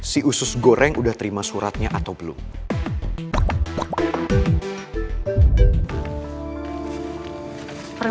si usus goreng udah tanya gue